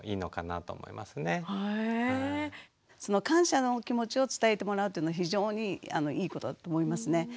感謝の気持ちを伝えてもらうというのは非常にいいことだと思いますね。